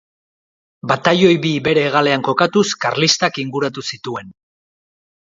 Batailoi bi bere hegalean kokatuz, karlistak inguratu zituen.